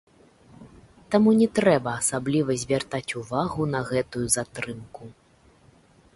Таму не трэба асабліва звяртаць увагу на гэтую затрымку.